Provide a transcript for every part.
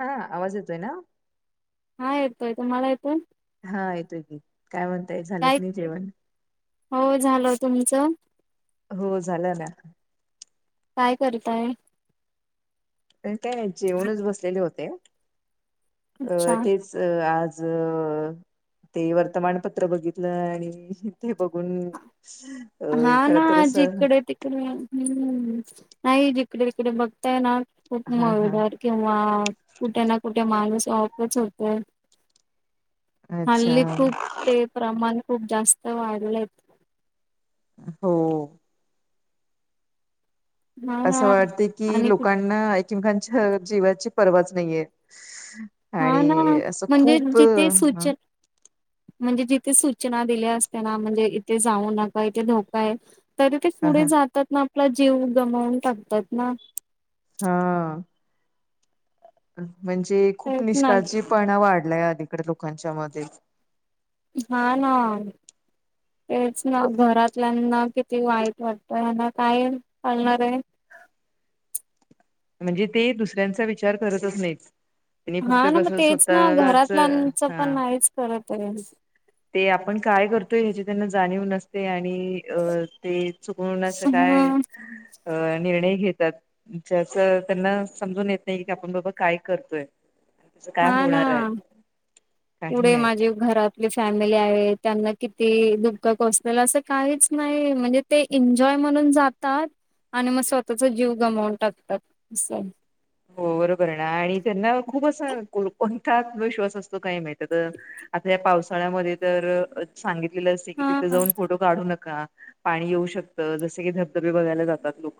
हा आवाज येतो आहे ना हा येतो ययतो मला ययेतो हा येतोयी काय म्हणतायेत काय झालंत नाही जेवण हो झालं तुमचं हो झालं ना काय करताय काय जेवणच बसलेले होते अच्छा अ तेच आज ते वर्तमानपत्र बघितलं आणि ते बघून हा खर ना तर असं जिकडे तिकडे ह् नाही जिकडे तिकडे बघताय ना खूप हा हा मळडर किंवा कुठे ना कुठे माणूस वाकच होत अच्छा हल्ली खूप ते प्रमाण खूप जास्त वाढलंय हो हा ना असं वाटते कि आणि कुठ लोकांना एकमकांच्या जीवाची परवाच नाहीये हा आणि ना असं म्हणजे खूप जिथे सूच ह म्हणजे जिथे सूचना दिल्या असत ना म्हणजे इथे जाऊ नका इथे धोका आहे तरी ते हा हा पुढे हा जातात ना आपला जीव गमावून टाकतात ना हा म्हणजे खूप तेच ना निष्काळजीपणा वाढलाय अलीकडे लोकांच्या मध्ये हा ना तेच ना घरातल्याना किती वाईट वाटतं हना काय चालणार आहे म्हणजे ते दुसऱ्यांचा विचार करतच नाहीत त्यांनी हा फक्त ना मग कसं तेच ना स्वतःलाच घरातल्यांचं पण हा मरज करत आहे ते आपण काय करतोय ह्याची त्यांना जाणीव न असते आणि अ ते चुकवण्याचं काय ह अ निर्णय घेतात ज असं त्यांना समजून येत नाही की आपण बाबा काय करतोय त्याच काय हा ना होणार आहे काही पुढे नाही. माझे घरातली फॅमिली आहे त्यांना किती दुःख कोसलेल असं काहीच नाही म्हणजे ते एन्जॉय म्हणून जातात आणि मग स्वतःचा जीव गमावून टाकतात असं हो बर कर ना आणि त्यांना खूप असं कोणता आत्मविश्वास असतो काही माहित का आता या पावसाळ्यामध्ये तर सांगितलेलं असते की हा तिथे जाऊन फोटो काू नका पाणी येऊ शकतं जस की धबधबे बघय जातोक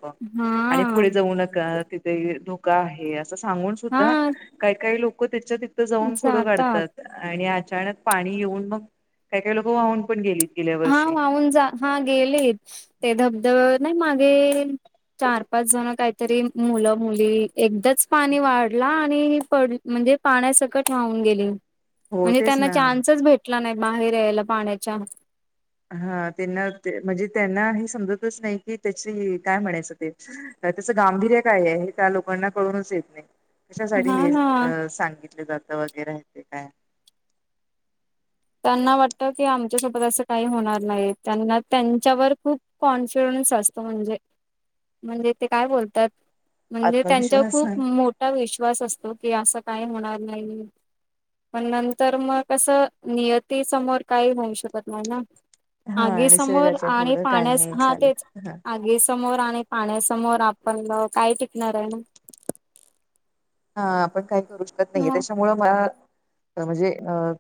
आणि पुढे हा जाऊ नका तिथे धोका आहे असं सांगून सुद्धा हा काही काही लोक त्याच्यातथं जाऊन फोटो जातात काढतात आणि अचानक पाणी येऊन मग काही काही लोकं वाहून पण गेलीत गेल्या हा वर्षी वाहून जा हा गेलीत ते धबधबवर नाही मागे चार पाच जण काहीतरी मुलं मुली एकदाच पाणी वाढला आणि पड म्हणजे पाण्यासकट वाहून गेली हो म्हणजे तेच त्यांना ना चान्सच भेटला नाही बाहेर यायला पाण्याच्या हा त्यांना म्हणजे त्यांना हे समजतच नाही की त्याची काय म्हणायचं ते त्याचं गांभीर्य काय आहे त्या लोकांना कळूनच येत नाही कशासाठी हा हे ना अ सांगितले जातं वगैरे हे ते काय त्यांना वाटत की आमच्यासोबत असं काही होणार नाही त्यांना त्यांच्यावर खूप कॉन्फिडन्स असतो म्हणजे म्हणजे ते काय बोलतात म्हणजे त्यांच्या आत्मविश्वास खूप मोठ विश्वास असतो की असं काय होणार नाही पण नंतर मग असं नियती समोर काही होऊ शकत नाही ना हा आगी समोर निसर्गाच्या आणि पुढं काही पाण्या नाही हा तेच चालत हा आगी समोर आणि पाण्यासमोर आपण काय टिकणार आहे ना हा आपण काही करू शकत नाहीये ना. त्याच्यामुळं मला म्हणजे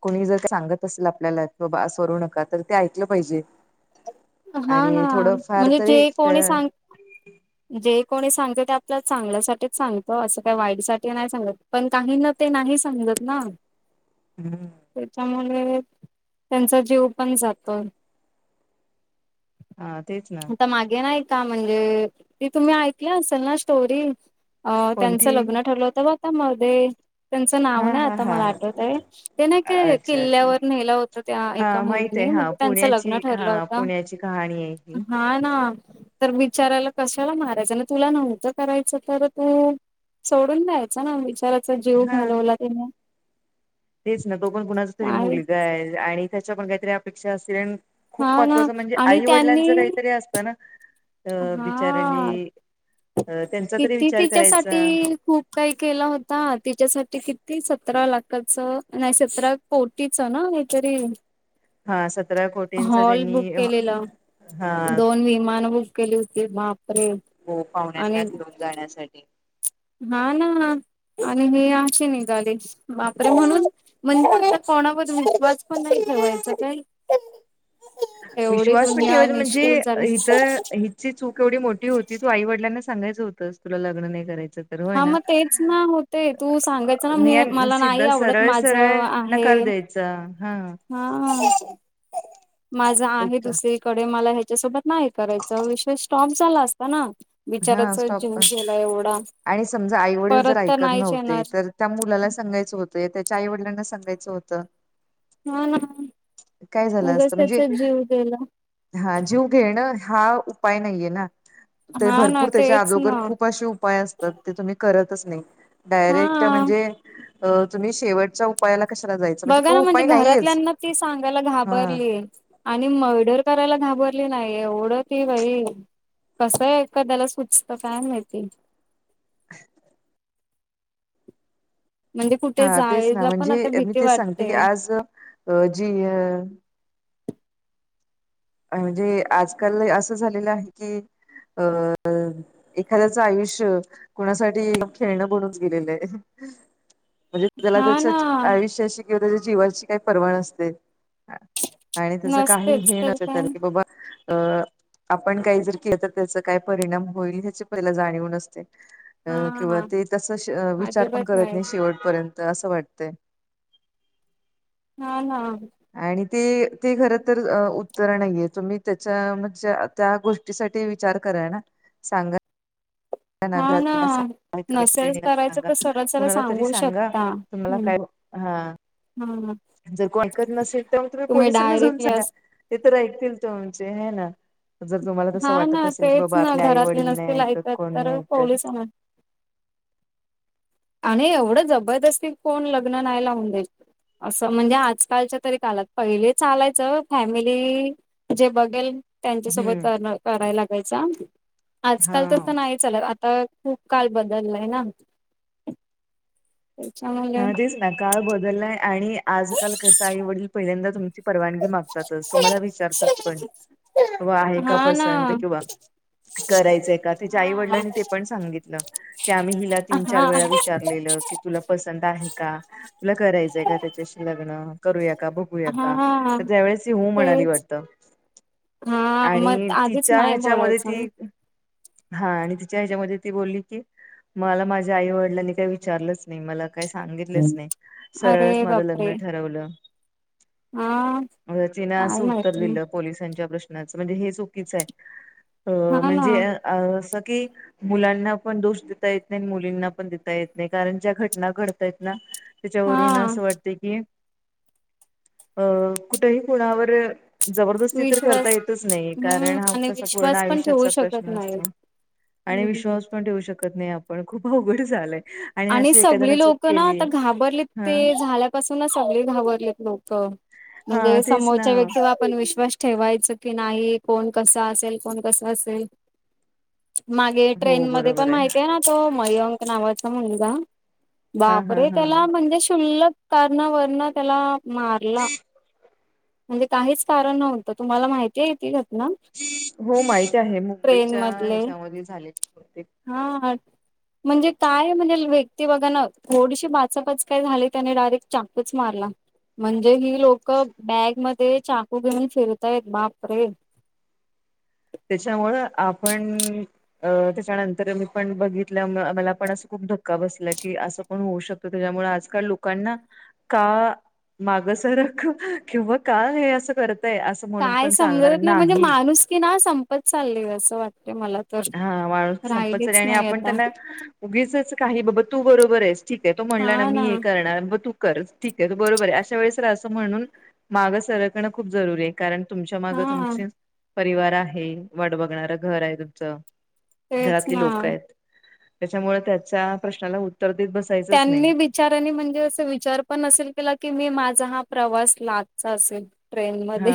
कुणी जर सांगत असेल आपल्याला कि बाबा सवरू नका तर ते ऐकलं पाहिजे हा ना आणि थोडं फार म्हणजे तरी जे कोणी सांग जे कोणी सांगते ते आपल्याला चांगल्यासाठीच सांगत असं काही वाईट साठी नाही सांगत पण काही ना ते नाही समजत ना हम्म त्याच्यामुळे त्यांचा जीव पण जातो हा तेच ना आता मागे नाही का म्हणजे ती तुम्ही ऐकलं असल ना स्टोरी अ त्यांचं कोणती लग्न ठरलं होतं बघा मध्ये त्यांचं नाव हा नाही हा आता हा मला आठवत आहे ते नाही का अच्छा अच्छा किल्ल्यावर नेलं होत त्या एका हा माहित आहे मुलीने हा म्हणजे त्यांचं लग्न पुण्याची ठरलं हा होत पुण्याची कहाणी आहे ही ह ना तर बीचारायला कशाला मारायचं ना तुला नव्हतं करायचं तर तू सोडून द्यायचा ना बीचाराचा जीव हा घालवला तिने तेच ना तो पण कुणाचा तरी मुलगा आहे आणि त्याच्या पण काहीतरी अपेक्षा असतील आणि खूप हा ना महत्वाचं म्हणजे आणि आई त्यांनी वडिलांचं काहीतरी असतं ना अ बिचाऱ्यांनी हा अ त्यांचा तरी किती विचार करायचा तिच्यासाठी खूप काही केला होता तिच्यासाठी किती सतरा लाखाचं नाही सतरा कोटीच ना काहीतरी हा सतरा कोटींचा हॉल बुक त्यांनी केलेला हा दोन विमान बुक केली होती बापरे हो आणि पाहुण्यांना घेऊन जाण्यासाठी हा ना आणि हे अशी निघाले बापरे म्हणून म्हणजे आता कोणावर विश्वास पण नाही ठेवायचा काय एवढी विश्वास पण दुनिया ठेवायचा निष्ठूर म्हणजे झाली इथ ची चूक एवढी मोठी होती तू आईवडलांना सांगायचं होतस तु लग्न नाही करायं तर होय हा ना मग तेच ना होते तू सांगायचं ना मी मला नाही सिधा आवडत सरळ माझं सरळ नकार आहे द्यायच चा हा हा माझ आहे दुसरीकडे मला ह्याच्यासोबत नाही करायच विषय स्टॉप झाला असता ना हा बिचाराचा जीव स्टॉप गेला एवढा आणि समजा आई वडील परत जर तर ऐकत नाहीच नव्हते येणार. तर त्या मुलाला सांगायचं होतं त्याच्या आई वडिलांना सांगायचं होतं हा ना काय झालं उगच असत म्हणजे त्याचा जीव गेला हा जीव घेणं हा उपाय नाहीये ना ते हा ना भरपूर त्याच्या तेच अगोगर ना खूप असे उपाय असतात ते तुम्ही करतच नाही डायरेक्ट हा. म्हणजे अ तुम्ही शेवटच्या उपायाला कशाला जायच बघा ना म्हणजे घरातल्यांना ती सांगायला हा घाबरली. आणि मर्डर करायला घाबरली नाही, एवढं ती बाई कसं हे एखाद्याला सुचत काय माहिती. म्हणजे कुठे हा तेच ना जायला पण आता म्हणजे मी भीती तेच सांगते की वाटते. आज जी अ म्हणजे आजकाल असं झालेलं आहे की अ एखाद्याचं आयुष्य कुणासाठी पाक खेळणं बनून गेलेलं आहे. म्हणजे त्याला हा त्याच्या ना आयुष्याशी किंवा त्याच्या जीवाची काही परवा नसते आणि त्याच काही नसतेच हेे तर नसतय काय त्याला की बाबा अ आपण काही जर केलं तर त्याच काय परिणाम होईल ह्याची पहिला जाणीव नसते. अ किंवा हा ते तस विचार पण करत नाही शेवटपर्यंत असं वाटतंय ह ना. आणि ते ते खर तर उत्तर नाहीये तुम्ही त्याच्या म्हणजे त्या गोष्टीसाठी विचार करा ना सांगा. हा ना ै्रणी नसेल करायचं सांगा तर सरळ सरळ कुणाला तरी सांगू सांगा शकता तुम्हाला हम्म काय हा हा जर को ऐकत नसेल तर मग तुम्ही पोलिसांना जाऊन डायरेक्टली सांगा अस ते तर ऐकतील तोमचे हे ना. जर तुम्हाला तसं हा वाटत ना असल की तेच बाबा ना आपल्या आई घरातले वडील नाही नसतील ऐकत कोण नाही तर ऐकत पोलिसांना आणि एवढं जबरदस्ती कोण लग्न नाय लावून देत असं म्हणजे आजकालच्या तरी कालात पहिले चालायचं फॅमिली जे बघेल हम्म. त्यांच्यासोबत कराय लागायचा आजकाल तसं हा. नाही चालत आता खूप काल बदल्लाय ना. त्याच्यामुळे हा तेच ना काळ बदललाय आणि आजकाल कसा आई वडील पहिल्यांदा तुमची परवानगी माग तातच तुम्हाला विचारतात पण तो आहे का हा ना पसंत किंवा करायचंय का तीच्या आई वडिलांनी ते पण सांगितलं. की आम्ही हिला तीन चार हा. वेळा विचारलेलं की तुला पसंत आहे का, तुला करायचंय का त्याच्याशी लग्न? करूया का बघूया का हा तर त्यावेळेस ही हो म्हणाली तेच वाटत. हा मग आणि आधीच तिच्या नाही ह्याच्यामध्ये बोलायचं ना ती हा आणि तिच्या ह्याच्यामध्ये ती बोलली की मला माझ्या आई वडिलांनी काय विचारलंच नाही मला काही सांगितलंच नाही, सरळच अरे माझं लग्न बापरे ठरवलं हा म तिन काय असं उत्तर माहिती दिलं. पोलीसांच्या प्रश्नाच म्हणजे हे चुकीचं आहे अ हा ना म्हणजे अ असं की मुलांना पण दोष देता येत नाही आणि मुलींना पण देता येत नाही कारण ज्या घटना घडतायत ना हा त्याच्यावरून अस वाट तेकि अ कुठेही कोणावर जबरदस्ती तर करता विश्वास येतच नाही हम्म कारण हा आणि कसा पूर्ण विश्वास पण ठेवू आयुष्याचा शकत प्रश्न नाही असतो. आणि हम्म विश्वास पण ठेवू शकत नाही आपण खूप अवघड झालंय. आणि अशी एखाद्याने सगली चूक लोक ना केली आता घाबरलीत हा ते झाल्यापासून ना सगली घाबरलेत लोक. हा म्हणजे तेच ना समोरच्या व्यक्ती वर आपण विश्वास ठेवायच की नाही कोण कसां असेल कोण कसं असेल मागे हो ट्रेन मध्ये बरोबर पण माहिती आहे ना तो मयंक नावा तो मुलगा हा हा बापरे हा त्याला म्हणजे शुल्लक कारणा वरण त्याला मारला. म्हणजे काहीच कारण नव्हतं. तुम्हाला माहिती आहे ती घटना? हो माहित आहे ट्रेन मुंबईच्या मधले ह्याच्यामध्ये झाले बहुतेक. हा म्हणजे काय म्हणेल व्यक्ती बघा ना थोडीशी बाचापाच काय झाली त्याने डायरेक्ट चाकूच मारला. म्हणजे ही लोक बॅग मध्ये चाकू घेऊन फिरतायत बापरे. त्याच्यामुळं आपण अ त्याच्यानंतर मी पण बघितलं मला पण असं खूप धक्का बसला की असं पण होऊ शकतो त्याच्यामुळे आजकाल लोकांना का माग सरक किंवा का हे असं करतय असं म्हणून काय पण चालणार समजत नाही म्हणजे माणूस की ना संपत चालली असं वाटते मला तर हा माणूस संपत चाल राहिलीच आणि नाही आपण आता त्यांना उगीच काही बाबा तू बरोबर आहेस ठीक आहे तो म्हणला ना मी हे करणार ब तू खच ठीक आहे बरोबर आहे अश वेळेस रा असं म्हणून मागं सरकणं खूप जरुरी आहे. कारण तुमच्या मागं हा तुमचे परिवार आहे वाट बघणारं घर आहे तुमचं तेच घरातली ना लोक आहेत त्याच्यामुळे त्याच्या प्रश्नाला उत्तर देत बस त्यांनी वि बीचारनी म्हणजे अस विचार पण नसेल केला की मी माझा हा प्रवास लास्टचा असेल. ट्रेन मध्ये हा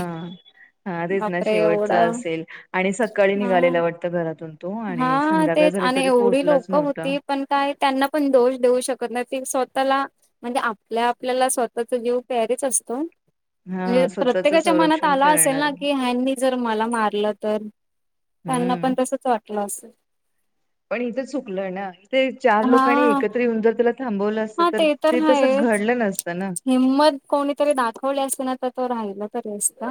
हा तेच ना बापरे शेवटचा एवढा असेल आणि सकाळी हा निघालेला वाटतं घरातून. तो आणि हा संध्याकाळ तेच झाली आणि तरी एवढी पोहोचलाच लोक नव्हता होती पण काय त्यांना पण दोष देऊ शकत नाही ती स्वतःला म्हणजे आपल्या आपल्याला स्वतःचा जीव प्यारीच असतो. म्हणे हा स्वतःच प्रत्येकाच्या मनात संरक्षण आला असेल करणार ना की हनी जर मला मारलं तर त्यांना हम्म पण तसच वाटलं अस. पण इथे चुकलं ना इथे चार लोकांनी एकत्र येऊन जर त्याला थांबवलं. हा ते तस घडलं नसतं ना निम कोणीतरी दाखवले असते ना तर तो राहिला तरी असत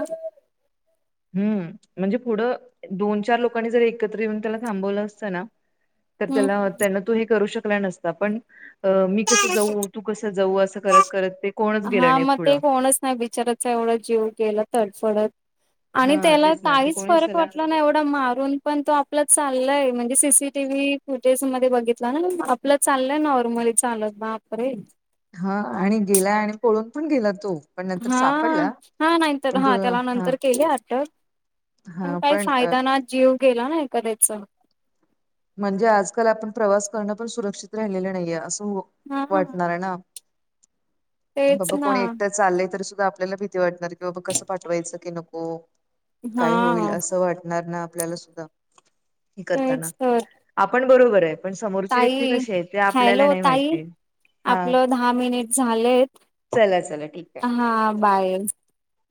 हम्म म्हणजे पुढं दोन चार लोकांनी जर एकत्र येऊन त्याला थांबवलं असतं ना तर त्याला त्यांना तो हे करू शकला नसता पण अ मी कसं जाऊ तू कसं जाऊ असं करत करत ते कोणच गेलं हा नाही मग ते पुढं कोणच बिचाराचा एवढ जीव गेला तडफडत आणि हा त्याला तेच ना ते काहीच कोणीच फरक त्याला वाटला नाही एवढ मारून पण तो आपला चाललाय म्हणजे सीसीटीवही फुटेज मध्ये बघितला ना आपलं चाललंय नॉर्मली चालत बापरे हा आणि गेला आणि पळून पण गेला तो पण नंतर हा सापडला हा नाहीतर पण तो हा त्याला नंतर केले अ पण हा काही पण अ, फायदा ना जीव गेला ना ए कद्याच म्हणजे आजकाल आपण प्रवास करणं पण सुरक्षित राहिलेलं नाहीये असं हा वाटणार आहे ना तेच बाबा कोणी ना एकटं चाललंय तर सुद्धा आपल्याला भीती वाटणार की बाबा कसं पाठवायचं की नको काय होईल हा असं वाटणार ना आपल्याला सुद्धा हे करताना तेच तर आपण बरोबर आहे पण समोरची व्यक्ती ताई कशी आहे ते आपल्याला हॅलो नाही ताई माहिती हा आपलं दहा मिनिट झालेत चला चला ठीक आहे हा बाय